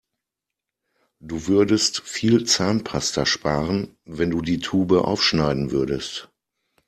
Du würdest viel Zahnpasta sparen, wenn du die Tube aufschneiden würdest.